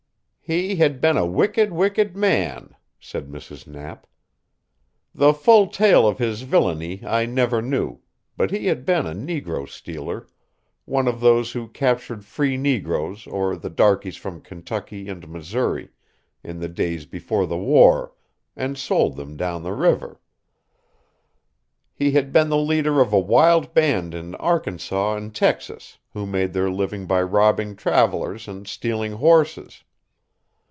"He had been a wicked, wicked man," said Mrs. Knapp. "The full tale of his villainy I never knew, but he had been a negro stealer, one of those who captured free negroes or the darkies from Kentucky and Missouri in the days before the war, and sold them down the river. He had been the leader of a wild band in Arkansas and Texas, who made their living by robbing travelers and stealing horses.